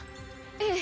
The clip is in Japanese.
ええ。